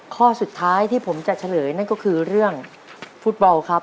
ข้อสุดท้ายที่จะเฉลยคือเรื่องฟู้ตบัลครับ